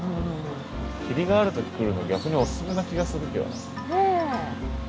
霧がある時来るの逆にオススメな気がするけどな。